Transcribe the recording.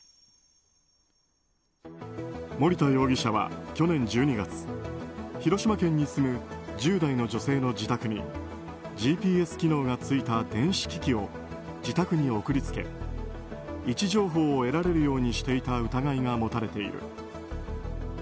森田容疑者は去年１２月広島県に住む１０代の女性の自宅にＧＰＳ機能がついた電子機器を自宅に送り付け位置情報を得られるようにしていた疑いが持たれている。